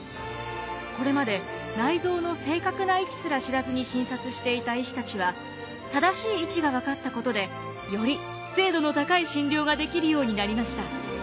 これまで内臓の正確な位置すら知らずに診察していた医師たちは正しい位置が分かったことでより精度の高い診療ができるようになりました。